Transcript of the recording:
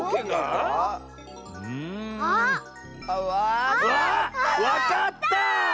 あっわかった！